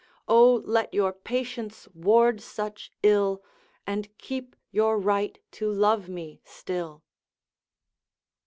O let your patience ward such ill, And keep your right to love me still!'